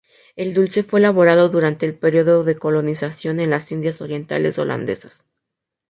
El dulce fue elaborado durante el periodo de colonización en las indias orientales holandesas.